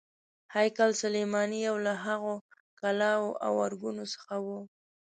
هیکل سلیماني یو له هغو کلاوو او ارګونو څخه و.